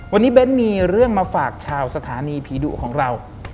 วันนี้เบ้นมีเรื่องมาฝากชาวสถานีผีดุของเรา